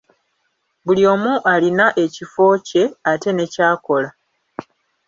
Buli omu alina ekifo kye, ate ne ky'akola.